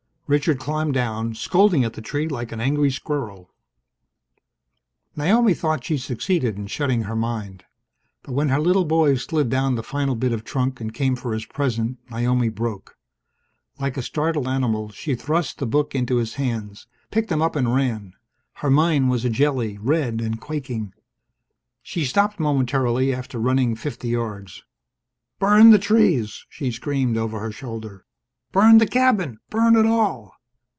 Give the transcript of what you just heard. Richard climbed down, scolding at the tree like an angry squirrel. Naomi thought she'd succeeded in shutting her mind. But when her little boy slid down the final bit of trunk and came for his present, Naomi broke. Like a startled animal, she thrust the book into his hands, picked him up and ran. Her mind was a jelly, red and quaking. She stopped momentarily after running fifty yards. "Burn the trees!" she screamed over her shoulder. "Burn the cabin! Burn it all!"